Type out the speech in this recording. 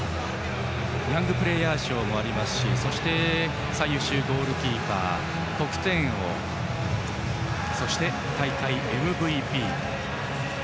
ヤングプレーヤー賞もありますし最優秀ゴールキーパー、得点王そして大会ＭＶＰ。